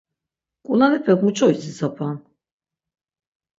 Ǩulanepek muç̌o idzitsapan?